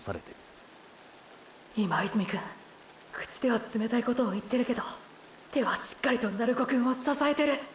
今泉くん口では冷たいことを言ってるけど手はしっかりと鳴子くんを支えてる。